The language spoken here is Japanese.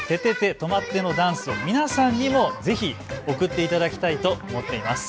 とまって！のダンスを皆さんにもぜひ送っていただきたいと思っています。